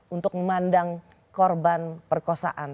untuk memandang korban perkosaan